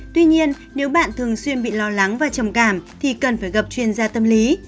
tuy nhiên nếu bạn thường xuyên bị lo lắng và trầm cảm thì cần phải gặp chuyên gia tâm lý